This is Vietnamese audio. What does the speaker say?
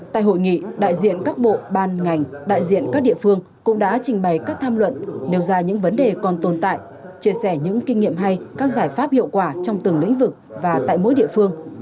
tại hội nghị đại diện các bộ ban ngành đại diện các địa phương cũng đã trình bày các tham luận nêu ra những vấn đề còn tồn tại chia sẻ những kinh nghiệm hay các giải pháp hiệu quả trong từng lĩnh vực và tại mỗi địa phương